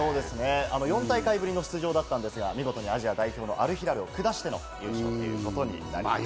４大会ぶりの出場だったんですが、アジア代表のアル・ヒラルを下しての優勝となりました。